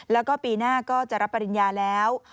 แล้วก็ปีหน้าก็จะรับปริญญาแล้ว